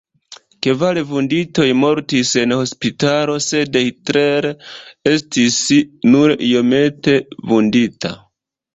Kvar vunditoj mortis en hospitalo, sed Hitler estis nur iomete vundita.